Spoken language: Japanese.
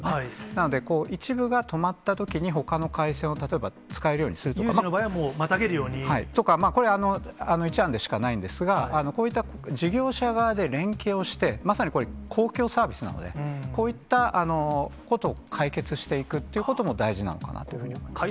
なので、一部が止まったときに、ほかの回線を、例えば使えるようにするとか。とか、一案でしかないんですが、こういった事業者側で連携をして、まさにこれ、公共サービスなので、こういったことを解決していくってことも大事なのかなというふうに思います。